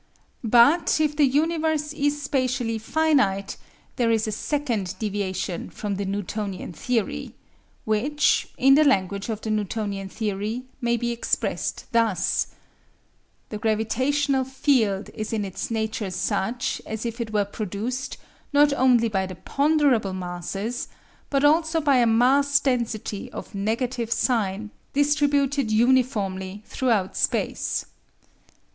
But if the universe is spatially finite there is a second deviation from the Newtonian theory, which, in the language of the Newtonian theory, may be expressed thus: The gravitational field is in its nature such as if it were produced, not only by the ponderable masses, but also by a mass density of negative sign, distributed uniformly throughout space.